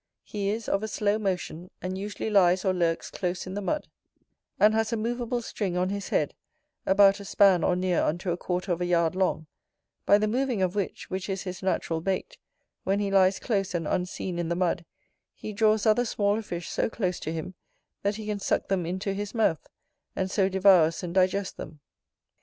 He is of a slow motion; and usually lies or lurks close in the mud; and has a moveable string on his head, about a span or near unto a quarter of a yard long; by the moving of which, which is his natural bait, when he lies close and unseen in the mud, he draws other smaller fish so close to him, that he can suck them into his mouth, and so devours and digests them."